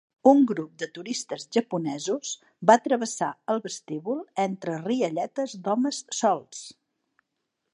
Un grup de turistes japonesos va travessar el vestíbul entre rialletes d'homes sols.